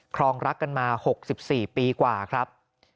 รองรักกันมา๖๔ปีกว่าครับ